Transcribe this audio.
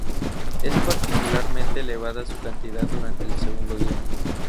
Es particularmente elevada su cantidad durante el segundo día.